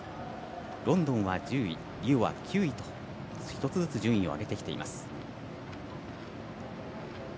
ロンドンは１０位リオは９位と１つずつ順位を上げてきています。